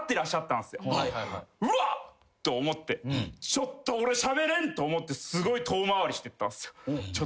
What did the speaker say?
ちょっと俺しゃべれんと思ってすごい遠回りしてったんすよ。